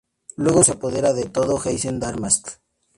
Luego se apodera de todo Hesse-Darmstadt.